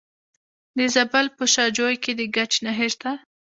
د زابل په شاجوی کې د ګچ نښې شته.